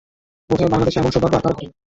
বোধ হয় বাংলাদেশে এমন সৌভাগ্য আর কারো ঘটে না।